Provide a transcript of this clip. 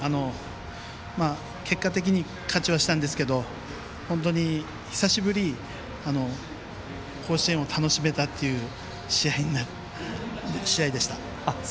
結果的に勝ちはしたんですが久しぶりに甲子園を楽しめたという試合でした。